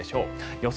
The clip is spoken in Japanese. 予想